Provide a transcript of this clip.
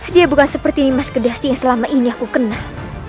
dia bukan seperti nimas kedasi yang selama ini aku kenal